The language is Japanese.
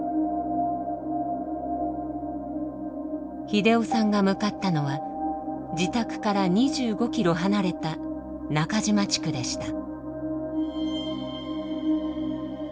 秀雄さんが向かったのは自宅から２５ｋｍ離れた中島地区でした。